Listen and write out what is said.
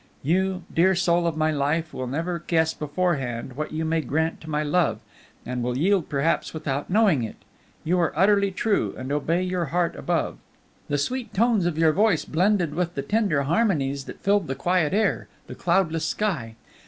You, dear soul of my life, will never guess beforehand what you may grant to my love, and will yield perhaps without knowing it! You are utterly true, and obey your heart alone. "The sweet tones of your voice blended with the tender harmonies that filled the quiet air, the cloudless sky.